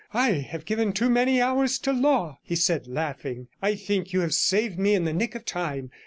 'I have given too many hours to law,' he said, laughing; 'I think you have saved me in the nick of time.